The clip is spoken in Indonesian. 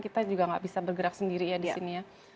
kita juga nggak bisa bergerak sendiri ya di sini ya